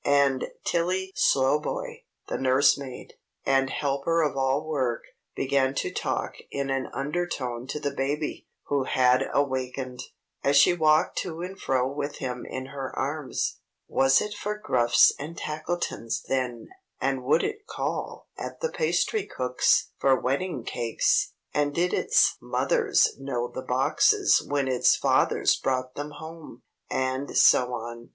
And Tilly Slowboy, the nurse maid, and helper of all work, began to talk in an undertone to the baby, who had awakened, as she walked to and fro with him in her arms: "Was it for Gruffs and Tackletons, then, and would it call at the pastry cooks' for wedding cakes, and did its mothers know the boxes when its fathers brought them home;" and so on.